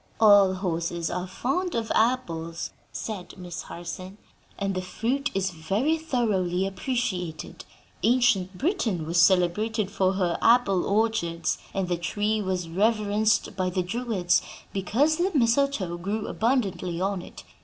"All horses are fond of apples," said Miss Harson, "and the fruit is very thoroughly appreciated. Ancient Britain was celebrated for her apple orchards, and the tree was reverenced by the Druids because the mistletoe grew abundantly on it.